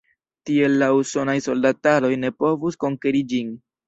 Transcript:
Tiel la usonaj soldataroj ne povus konkeri ĝin.